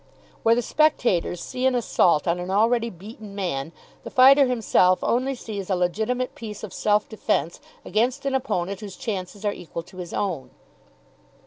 Where the spectators see an assault on an already beaten man, the fighter himself only sees a legitimate piece of self defence against an opponent whose chances are equal to his own.